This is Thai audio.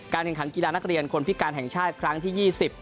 แข่งขันกีฬานักเรียนคนพิการแห่งชาติครั้งที่๒๐